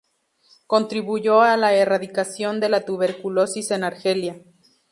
Contribuyó a la erradicación de la tuberculosis en Argelia.